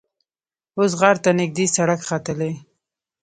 اوس غار ته نږدې سړک ختلی.